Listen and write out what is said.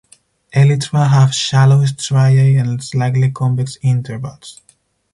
Elytra have shallow striae and slightly convex intervals.